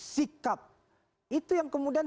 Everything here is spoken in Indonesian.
sikap itu yang kemudian